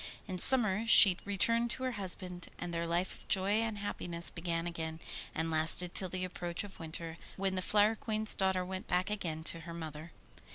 In summer she returned to her husband, and their life of joy and happiness began again, and lasted till the approach of winter, when the Flower Queen's daughter went back again to her mother.